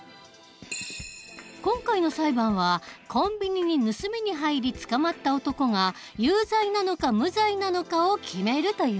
今回の裁判はコンビニに盗みに入り捕まった男が有罪なのか無罪なのかを決めるというものだ。